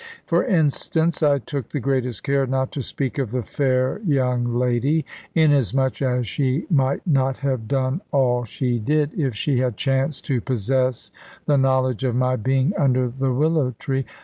For instance, I took the greatest care not to speak of the fair young lady; inasmuch as she might not have done all she did, if she had chanced to possess the knowledge of my being under the willow tree.